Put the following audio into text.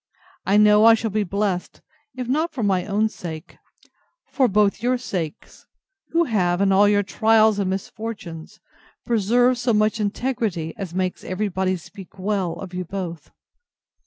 I know I shall be blessed, if not for my own sake, for both your sakes, who have, in all your trials and misfortunes, preserved so much integrity as makes every body speak well of you both.